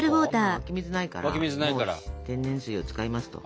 今湧き水ないから天然水を使いますと。